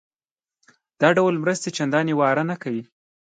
دا ډول مرستې چندانې واره نه کوي.